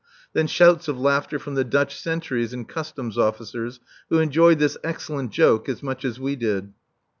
Then shouts of laughter from the Dutch sentries and Customs officers, who enjoyed this excellent joke as much as we did.